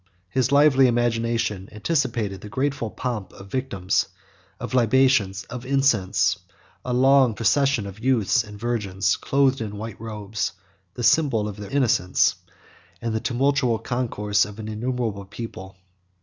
His lively imagination anticipated the grateful pomp of victims, of libations and of incense; a long procession of youths and virgins, clothed in white robes, the symbol of their innocence; and the tumultuous concourse of an innumerable people.